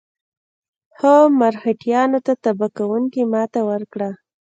هغه مرهټیانو ته تباه کوونکې ماته ورکړه.